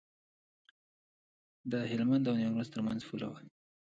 د هلمند او نیمروز ترمنځ پوله وه.